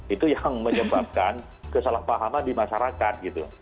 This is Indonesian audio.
itu yang menyebabkan kesalahpahaman di masyarakat gitu